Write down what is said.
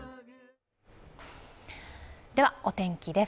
ではお天気です。